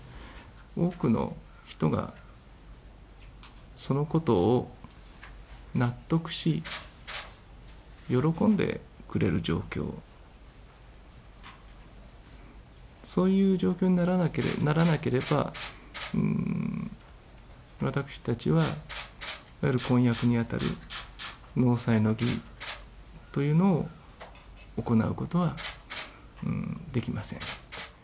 多くの人がそのことを納得し、喜んでくれる状況、そういう状況にならなければ、私たちは、いわゆる婚約に当たる納采の儀というのを行うことはできません。